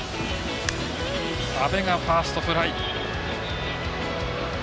阿部がファーストフライ。